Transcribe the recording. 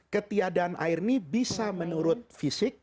ketiadaan air ini bisa menurut fisik